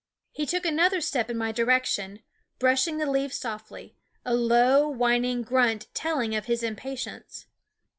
He took another step in my direction, brushing the leaves softly, a low, whining grunt telling of his impatience.